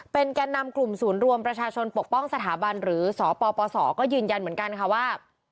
แก่นำกลุ่มศูนย์รวมประชาชนปกป้องสถาบันหรือสปสก็ยืนยันเหมือนกันค่ะว่า